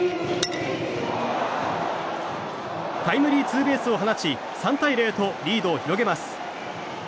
タイムリーツーベースを放ち３対０とリードを広げます。